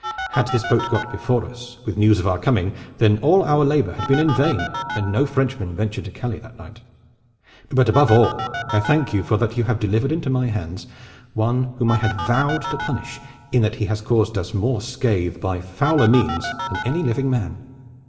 Had this boat got before us with news of our coming, then all our labor had been in vain, and no Frenchman ventured to Calais that night. But above all I thank you for that you have delivered into my hands one whom I had vowed to punish in that he has caused us more scathe by fouler means than any living man.